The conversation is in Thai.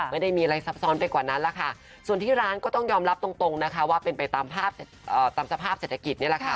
ไม่ได้มีอะไรซับซ้อนไปกว่านั้นล่ะค่ะส่วนที่ร้านก็ต้องยอมรับตรงนะคะว่าเป็นไปตามสภาพเศรษฐกิจนี่แหละค่ะ